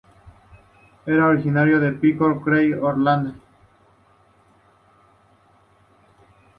Era originario de Pryor Creek, Oklahoma.